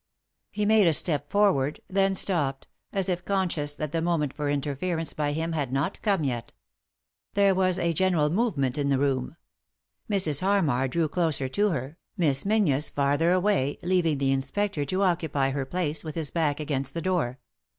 He made a step forward ; then stopped, as il 318 3i 9 iii^d by Google THE INTERRUPTED KISS conscious that the moment for interference by him had not come yet There was a general movement in the room. Mrs. Harmar drew closer to her, Miss Menzies farther away, leaving the inspector to occupy her place, with his back against the door.